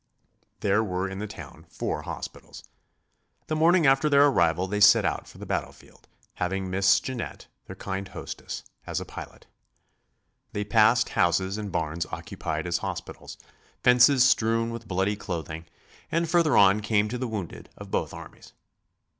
There were in the town four hospitals. The morning after their arrival they set out for the battlefield, having Miss Janette, their kind hostess, as a pilot. They passed houses and barns occupied as hospitals, fences strewn with bloody clothing, and further on came to the wounded of both armies.